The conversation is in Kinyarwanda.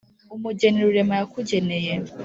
umugeni rurema yakugeneye